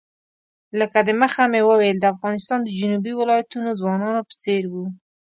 لکه د مخه مې وویل د افغانستان د جنوبي ولایتونو ځوانانو په څېر وو.